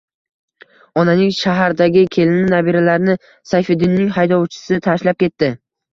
Onaning shahardagi kelini, nabiralarini Sayfiddinning haydovchisi tashlab ketdi